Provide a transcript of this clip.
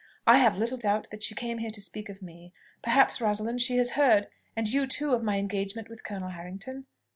I have little doubt that she came here to speak of me. Perhaps, Rosalind, she has heard, and you too, of my engagement with Colonel Harrington?"